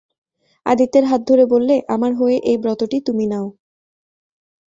আদিত্যের হাত ধরে বললে, আমার হয়ে এই ব্রতটি তুমি নাও।